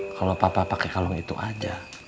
kalo papa pake kalung itu aja